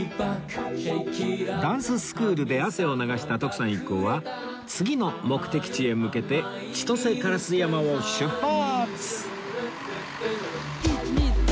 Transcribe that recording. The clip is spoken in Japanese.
ダンススクールで汗を流した徳さん一行は次の目的地へ向けて千歳烏山を出発！